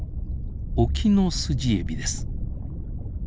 オキノスジエビです。